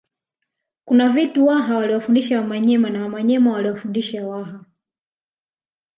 Kuna vitu Waha waliwafundisha Wamanyema na Wamanyema waliwafundisha Waha